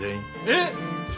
えっ！？